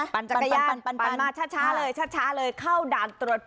ปั่นมาช้าเลยเข้าด่านตรวจ